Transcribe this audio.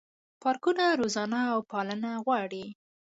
پارکونه روزنه او پالنه غواړي.